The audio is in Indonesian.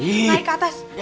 naik ke atas